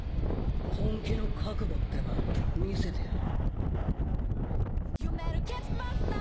本気の覚悟ってば見せてやる。